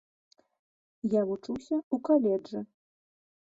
Я вучуся ў каледжы.